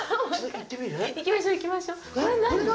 行きましょう行きましょうこれ何？